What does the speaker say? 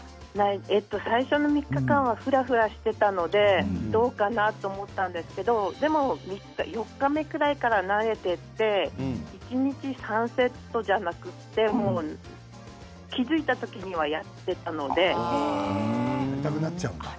最初の３日間はふらふらしていたのでどうかなと思ったんですけどでも４日目くらいから慣れてきて一日３セットじゃなくてもう気付いた時にはやりたくなっちゃうんだ。